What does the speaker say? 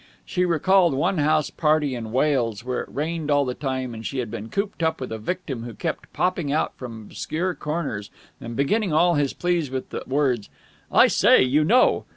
She recalled one house party in Wales where it rained all the time and she had been cooped up with a victim who kept popping out from obscure corners and beginning all his pleas with the words "I say, you know...!"